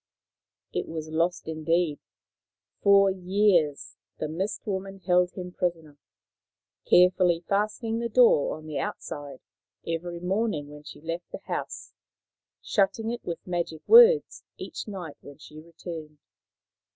It was lost indeed. For years the Mist woman held him prisoner, carefully fastening the door on the outside every morning when she left the house, shutting it with magic words each night when she returned.